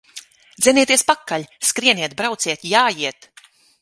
Dzenieties pakaļ! Skrieniet, brauciet, jājiet!